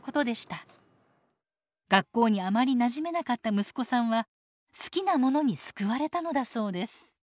学校にあまりなじめなかった息子さんは好きなものに救われたのだそうです。